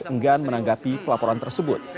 enggan menanggapi pelaporan tersebut